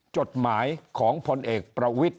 จดหมายของพลเอกประวิทธิ